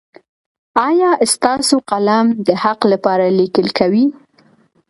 ایا ستاسو قلم د حق لپاره لیکل کوي؟